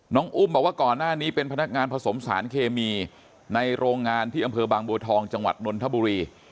อุ้มบอกว่าก่อนหน้านี้เป็นพนักงานผสมสารเคมีในโรงงานที่อำเภอบางบัวทองจังหวัดนนทบุรี